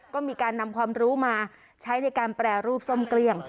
ก็มีการนำความรู้มาใช้ในการแปรรูปส้มเกลี้ยง